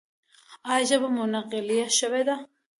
ایا ژبه مو ثقیله شوې ده؟